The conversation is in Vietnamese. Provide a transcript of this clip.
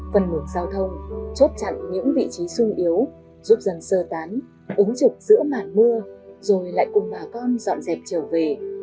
phần ngược giao thông chốt chặn những vị trí sung yếu giúp dân sơ tán ứng trục giữa mạt mưa rồi lại cùng bà con dọn dẹp trở về